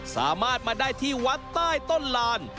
สามารถมาได้ที่วัดใต้ต้นลาน